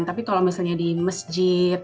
tapi kalau misalnya di masjid